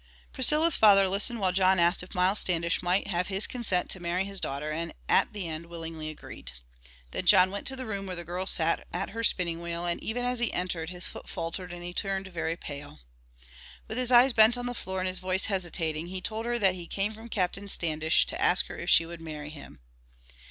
Priscilla's father listened while John asked if Miles Standish might have his consent to marry his daughter, and at the end willingly agreed. Then John went to the room where the girl sat at her spinning wheel, and even as he entered his foot faltered and he turned very pale. With his eyes bent on the floor and his voice hesitating he told her that he came from Captain Standish to ask if she would marry him.